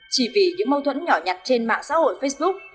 chỉ vì những mâu thuẫn nhỏ nhặt trên mạng xã hội facebook